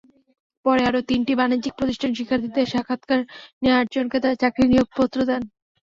পরে আরও তিনটি বাণিজ্যিক প্রতিষ্ঠান শিক্ষার্থীদের সাক্ষাৎকার নিয়ে আটজনকে চাকরির নিয়োগপত্র দেয়।